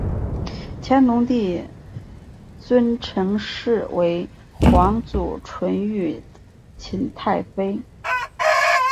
乾隆帝尊陈氏为皇祖纯裕勤太妃。